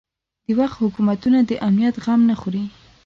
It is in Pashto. د وخت حکومتونه د امنیت غم نه خوري.